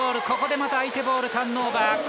ここでまた相手ボールターンオーバー。